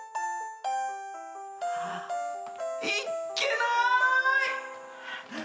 いっけない！